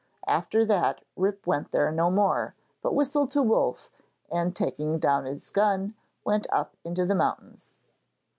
After that Rip went there no more, but whistled to Wolf, and, taking down his gun, went up into the mountains.